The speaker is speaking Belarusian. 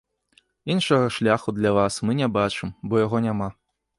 Іншага шляху для вас мы не бачым, бо яго няма.